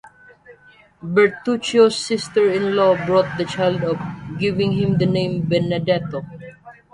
Bertuccio's sister-in-law brought the child up, giving him the name Benedetto.